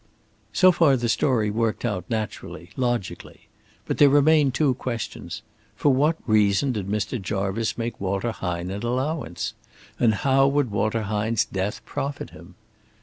So far the story worked out naturally, logically. But there remained two questions. For what reason did Mr. Jarvice make Walter Hine an allowance? And how would Walter Hine's death profit him?